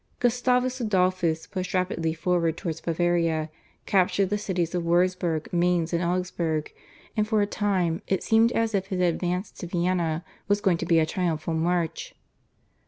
Gustavus Adolphus pushed rapidly forward towards Bavaria, captured the cities of Wurzburg, Mainz, and Augsburg, and for a time it seemed as if his advance to Vienna was going to be a triumphal march.